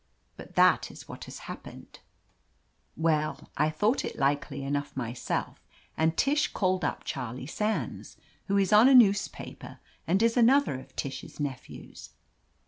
But that is what has happened." 107 ■ THE AMAZING ADVENTURES Well, I thought it likely enough myself, and Tish called up Charlie Sands, who is on a newspaper and is another of Tish's nephews.